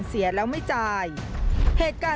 สุดท้ายสุดท้าย